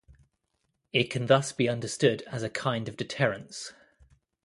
It can thus be understood as a kind of deterrence.